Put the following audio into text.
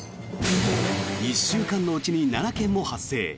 １週間のうちに７件も発生。